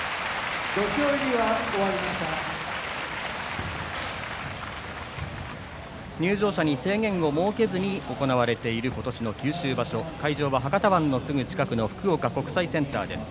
入場者に制限を設けずに行われている今年の九州場所会場は博多湾すぐ近くの福岡国際センターです。